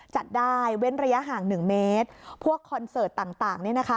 จัดได้เว้นระยะห่างหนึ่งเมตรพวกคอนเสิร์ตต่างเนี่ยนะคะ